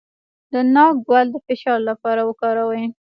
د ناک ګل د فشار لپاره وکاروئ